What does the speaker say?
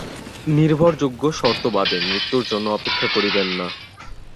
নির্ভরযোগ্য শর্ত বাদে মৃত্যুর জন্য অপেক্ষা করবেন না।